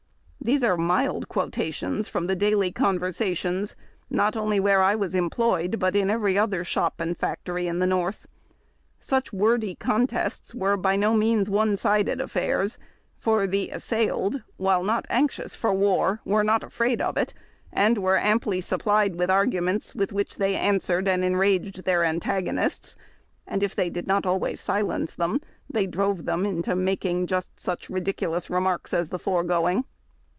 These are mild quotations from the daily conversations, had not only where I was employed, but in every other shop and factory in tlie North. Such Avordy contests were by no means one sided affairs ; for the assailed, while not anxious for war, were not afraid of it, and were amply supplied with arguments with which they answered and en raged their antagonists ; and if they did not always silence them, they drove them into making "just such ridiculous remarks as the foregoing.